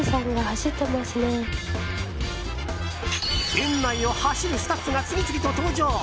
園内を走るスタッフが次々と登場。